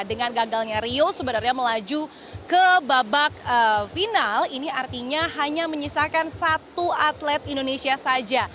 dengan gagalnya rio sebenarnya melaju ke babak final ini artinya hanya menyisakan satu atlet indonesia saja